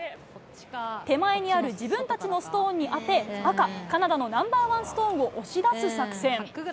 手前にある自分たちのストーンに当て、赤、カナダのナンバー１ストーンを押し出す作戦。